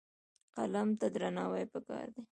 قلم ته درناوی پکار دی.